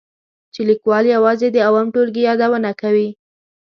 چې لیکوال یوازې د اووم ټولګي یادونه کوي.